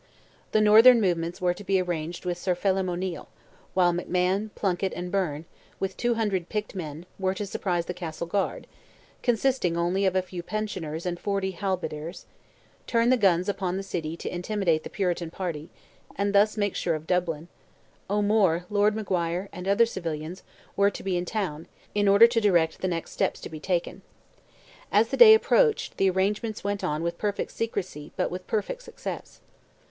The northern movements were to be arranged with Sir Phelim O'Neil, while McMahon, Plunkett, and Byrne, with 200 picked men, were to surprise the Castle guard—consisting of only a few pensioners and 40 halbediers—turn the guns upon the city to intimidate the Puritan party, and thus make sure of Dublin; O'Moore, Lord Maguire, and other civilians, were to be in town, in order to direct the next steps to be taken. As the day approached, the arrangements went on with perfect secrecy but with perfect success.